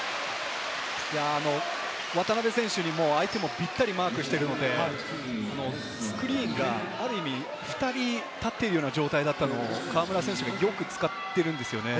渡邊選手に相手もぴったりマークしているので、スクリーンがある意味、２人立っているような状態だったのを河村選手がよく使っているんですよね。